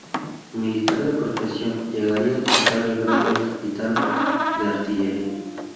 Militar de profesión, llegaría a alcanzar el grado de capitán de artillería.